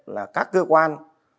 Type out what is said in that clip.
là các cơ quan